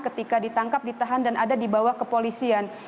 ketika ditangkap ditahan dan ada di bawah kepolisian